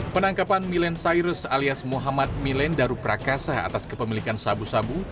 penangkapan milen cyrus alias muhammad milen daru prakasa atas kepemilikan sabu sabu